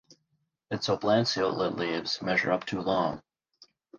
Its oblanceolate leaves measure up to long.